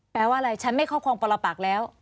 แปลว่าอะไรฉันไม่ครอบครองปรปักแล้ว